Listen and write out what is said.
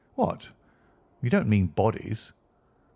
"What! You do not mean bodies?"